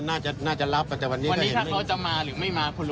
วันนี้ถ้าเขาจะมาหรือไม่มาคุณลุงว่าไงฮะ